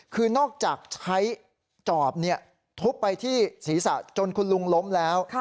คือนอกจากใช้จอบทุบไปที่ศีรษะจนคุณลุงล้มแล้ว